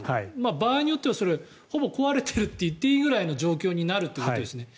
場合によってはほぼ壊れているといっていいぐらいの状況になるということですね。